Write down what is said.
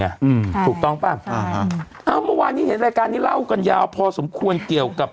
อืมถูกต้องป่ะอ่าฮะอ้าวเมื่อวานนี้เห็นรายการนี้เล่ากันยาวพอสมควรเกี่ยวกับ